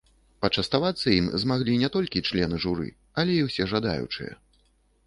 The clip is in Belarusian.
Пачаставацца ім змаглі не толькі члены журы, але і ўсе жадаючыя.